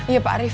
iya pak arief